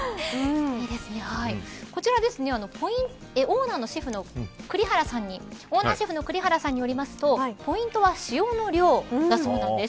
こちら、オーナーシェフの栗原さんによりますとポイントは塩の量だそうなんです。